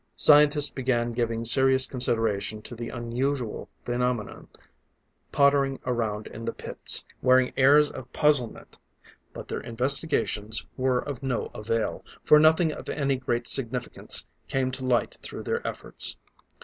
Scientists began giving serious consideration to the unusual phenomenon, pottering around in the pits, wearing airs of puzzlement. But their investigations were of no avail, for nothing of any great significance came to light through their efforts.